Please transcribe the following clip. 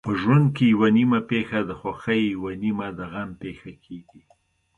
په ژوند کې یوه نیمه پېښه د خوښۍ یوه نیمه د غم پېښه کېږي.